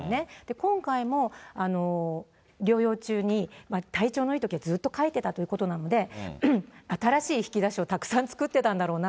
今回も療養中に体調のいいときはずっと書いていたということなんで、新しい引き出しをたくさん作ってたんだろうな。